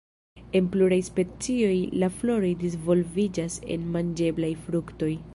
En pluraj specioj, la floroj disvolviĝas en manĝeblaj fruktoj.